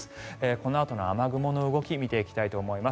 このあとの雨雲の動きを見ていきたいと思います。